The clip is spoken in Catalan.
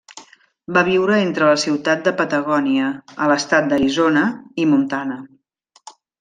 Va viure entre la ciutat de Patagònia, a l'estat d'Arizona, i Montana.